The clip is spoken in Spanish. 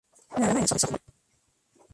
Le agrada el softbol.